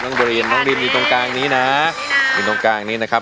บริเวณน้องรินอยู่ตรงกลางนี้นะอยู่ตรงกลางนี้นะครับ